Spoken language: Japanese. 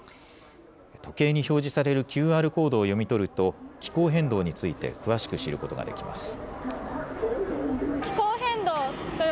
時計に表示されるＱＲコードを読み取ると、気候変動について詳しく知ることができます。